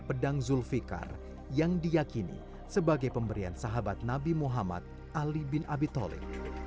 pedang zulfiqar yang diakini sebagai pemberian sahabat nabi muhammad ali bin abi talib